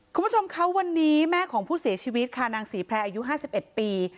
คุณผู้ชมคะวันนี้แม่ของผู้เสียชีวิตค่ะนางศรีแพร่อายุ๕๑ปี